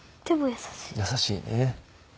優しいね。